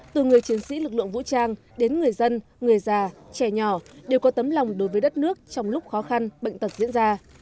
từ người chiến sĩ lực lượng vũ trang đến người dân người già trẻ nhỏ đều có tấm lòng đối với đất nước trong lúc khó khăn bệnh tật diễn ra